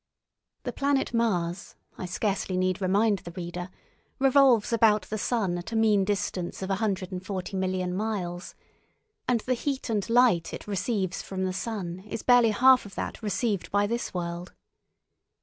The planet Mars, I scarcely need remind the reader, revolves about the sun at a mean distance of 140,000,000 miles, and the light and heat it receives from the sun is barely half of that received by this world.